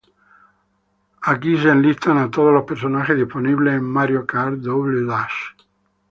Aquí se enlistan a todos los personajes disponibles en "Mario Kart: Double Dash!!